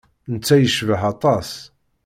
Netta yecbeḥ aṭas.